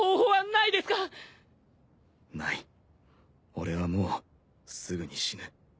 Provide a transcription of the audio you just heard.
俺はもうすぐに死ぬ。